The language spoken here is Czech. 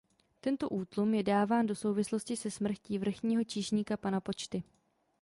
Tento „útlum“ je dáván do souvislosti se smrtí vrchního číšníka pana Počty.